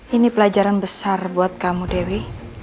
ini pelajaran besar buat kamu dewi